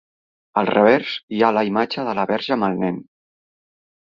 Al revers hi ha la imatge de la Verge amb el Nen.